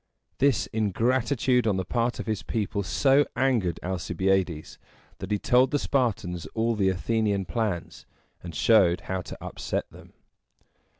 This ingratitude on the part of his people so angered Alcibiades, that he told the Spartans all the Athenian plans, and showed how to upset them.